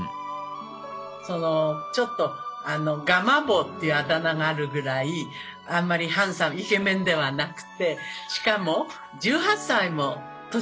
ちょっと「ガマ坊」っていうあだ名があるぐらいあんまりハンサムイケメンではなくてしかも１８歳も年が離れてますよね。